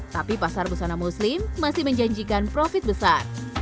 tapi pasar busana muslim masih menjanjikan profit besar